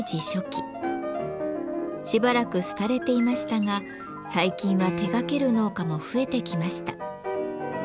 しばらく廃れていましたが最近は手がける農家も増えてきました。